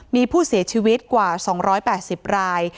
มีผู้เสียชีวิตกว่า๒๘๐ราย